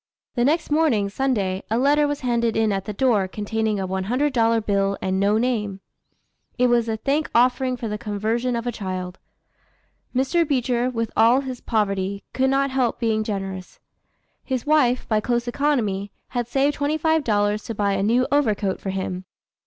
The next morning, Sunday, a letter was handed in at the door, containing a $100 bill, and no name. It was a thank offering for the conversion of a child. Mr. Beecher, with all his poverty, could not help being generous. His wife, by close economy, had saved twenty five dollars to buy a new overcoat for him.